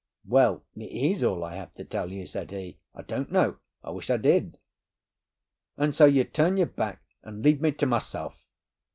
"Well, it is all I have to tell you," said he. "I don't know—I wish I did." "And so you turn your back and leave me to myself!